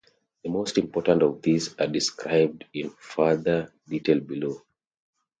The most important of these are described in further detail below.